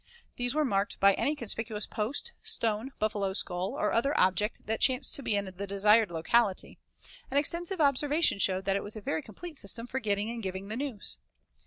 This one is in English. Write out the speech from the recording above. These were marked by any conspicuous post, stone, buffalo skull, or other object that chanced to be in the desired locality, and extensive observation showed that it was a very complete system for getting and giving the news.